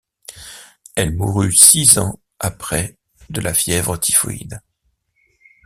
Elle mourut six ans après de la fièvre typhoïde.